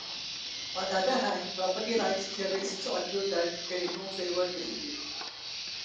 On the other hand, property rights theorists argue that there is no favored distribution.